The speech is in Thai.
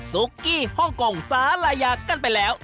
ซูกกี้ฮ่องกงสาหร่ายหยากกันไปแล้ว